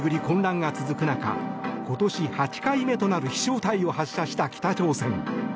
混乱が続く中今年８回目となる飛翔体を発射した北朝鮮。